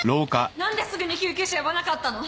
何ですぐに救急車呼ばなかったの？